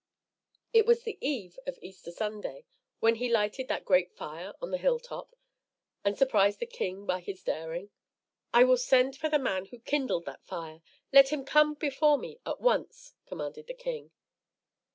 It was the eve of Easter Sunday when he lighted that great fire on the hilltop and surprised the king by his daring. "I will send for the man who kindled that fire. Let him come before me at once," commanded the king.